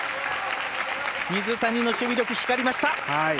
水谷の守備力が光りました。